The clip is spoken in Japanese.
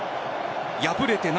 敗れて、涙。